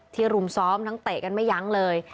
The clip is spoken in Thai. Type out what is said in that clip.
รุมซ้อมทั้งเตะกันไม่ยั้งเลย